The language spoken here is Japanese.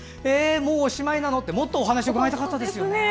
もうおしまいなの？ってもっとお話を伺いたかったですね。